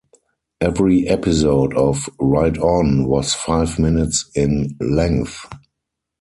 Every episode of "Write On" was five minutes in length.